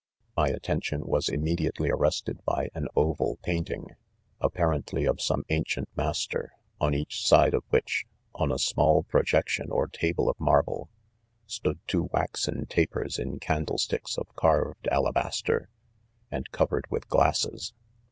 My attention, was immediately arrested by an.. oval painting, apparently of some ancient master, on each side of which, on a small pro jection or table of marble, stood two waxen ta pers in candlesticks o( carved alabaster, and covered with glasses.